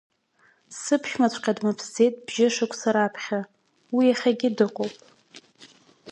Сыԥшәмаҵәҟьа дымԥсӡеит бжьшықәса раԥхьа, уи иахьагьы дыҟоуп.